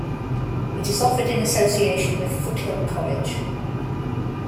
It is offered in association with Foothill College.